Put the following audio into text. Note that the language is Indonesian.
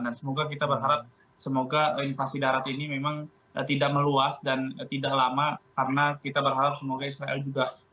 dan semoga kita berharap semoga invasi darat ini memang tidak meluas dan tidak lama karena kita berharap semoga israel juga